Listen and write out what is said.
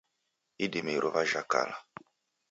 Idime iruwa jhakala.